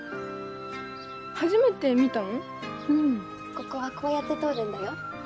ここはこうやって通るんだよ。